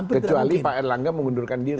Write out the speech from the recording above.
kecuali pak erlangga mengundurkan diri